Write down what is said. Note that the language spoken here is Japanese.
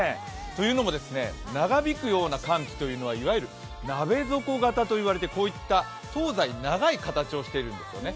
というのも、長引くような寒気というのは、いわゆる鍋底型といわれてこういった東西に長い形をしてるんですね。